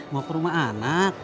mau ke rumah anak